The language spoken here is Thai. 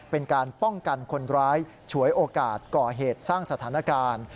เป็นการป้องกันคนร้ายฉวยโอกาสก่อเหตุสร้างสถานการณ์